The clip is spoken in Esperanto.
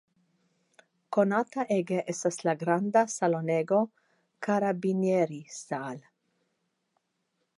Konata ege estas la granda salonego "Carabinierisaal".